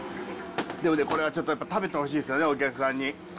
でもね、これはちょっと食べてほしいですよね、お客さんに。